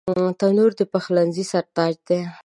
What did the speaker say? تنور د پخلنځي سر تاج دی